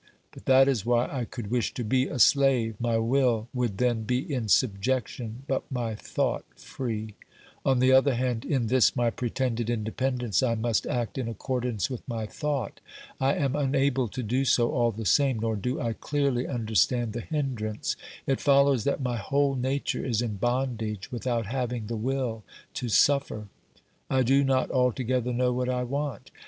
But that is why I could wish to be a slave ; my will would then be in subjection, but my thought free. On the other hand, in this my pretended independence, I must act in accordance with my thought. I am unable to do so all the same, nor do I clearly understand the hindrance ; it follows that my whole nature is in bondage without having the will to suffer. I do not altogether know what I want.